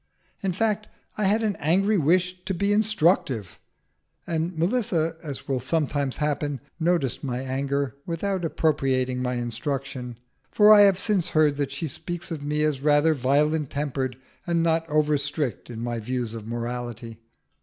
In fact, I had an angry wish to be instructive, and Melissa, as will sometimes happen, noticed my anger without appropriating my instruction, for I have since heard that she speaks of me as rather violent tempered, and not over strict in my views of morality.